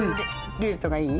ルーレットがいい？